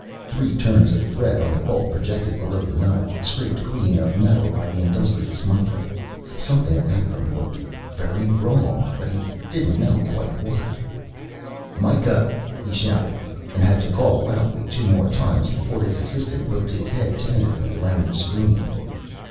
Three turns of thread on the bolt projected below the nut, scraped clean of metal by the industrious Mikah. Something about them looked very wrong but he didn't know quite what. "Mikah," he shouted, and had to call loudly two more times before his assistant poked his head tentatively around the screen.